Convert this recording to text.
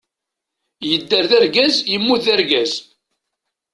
Yedder d argaz, yemmut d argaz.